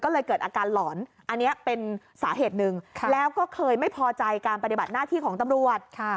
ก็เลยเกิดอาการหลอนอันนี้เป็นสาเหตุหนึ่งแล้วก็เคยไม่พอใจการปฏิบัติหน้าที่ของตำรวจ